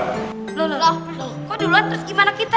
loh kok duluan terus gimana kita